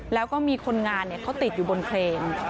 แล้วก็มีคนงานเขาติดอยู่บนเครน